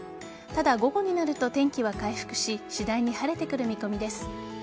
ただ、午後になると天気は回復し次第に晴れてくる見込みです。